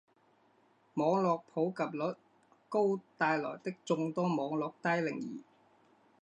网络普及率高带来的众多网络低龄儿